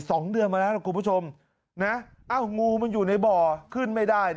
สองเดือนมาแล้วนะคุณผู้ชมนะอ้าวงูมันอยู่ในบ่อขึ้นไม่ได้